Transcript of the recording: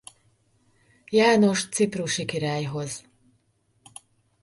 János ciprusi királyhoz.